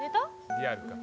「リアルか」